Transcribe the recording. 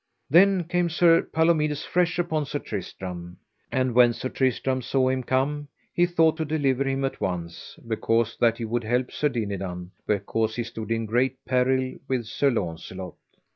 Then came Sir Palomides fresh upon Sir Tristram. And when Sir Tristram saw him come, he thought to deliver him at once, because that he would help Sir Dinadan, because he stood in great peril with Sir Launcelot.